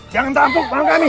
jangan tampuk barang kami